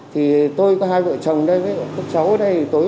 thì tôi có hai vợ chồng đây với các cháu ở đây